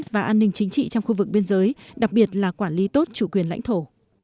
và an ninh chính trị trong khu vực biên giới đặc biệt là quản lý tốt chủ quyền lãnh thổ